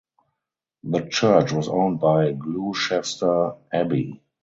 The church was owned by Gloucester Abbey.